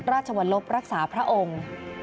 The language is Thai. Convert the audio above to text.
ราชวรลบรักษาพระองค์